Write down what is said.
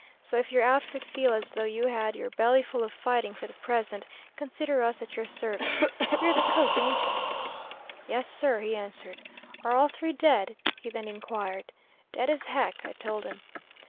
So if your outfit feel as though you had your belly full of fighting for the present, consider us at your service. You're the cook, ain't you?' "'Yes, sir,' he answered. 'Are all three dead?' he then inquired. "'Dead as heck,' I told him.